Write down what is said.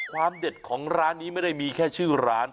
เด็ดของร้านนี้ไม่ได้มีแค่ชื่อร้าน